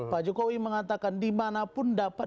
pak jokowi mengatakan dimanapun dapat